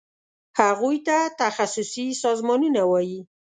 هغوی ته تخصصي سازمانونه وایي.